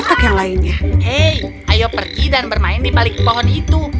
hey kita pergi dan bersaing main di atas hitung